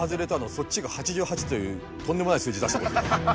そっちが８８というとんでもない数字出したことだ。